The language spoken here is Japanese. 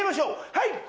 はい。